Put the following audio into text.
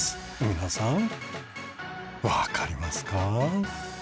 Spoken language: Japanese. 皆さんわかりますか？